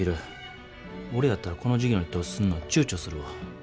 俺やったらこの事業に投資すんのちゅうちょするわ。